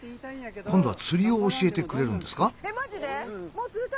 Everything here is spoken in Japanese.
今度は釣りを教えてくれるんですか？